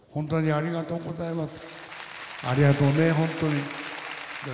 ありがとうございます。